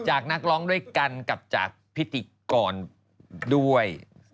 นักร้องด้วยกันกับจากพิธีกรด้วย